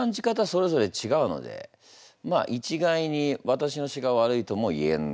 それぞれ違うのでまあ一概にわたしの詩が悪いとも言えん。